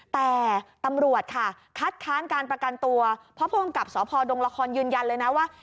แต่ตำรวจค่ะคัดค้านการประกันตัวเพราะผู้กำกับสพดงละครยืนยันเลยนะว่า